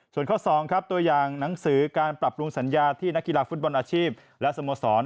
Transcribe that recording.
๒ตัวอย่างหนังสือการปรับลงสัญญาที่นักกีฬาฟุตบอลอาชีพและสมสอน